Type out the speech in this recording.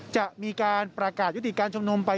จะมีการประกาศยุติการชุมนุมไป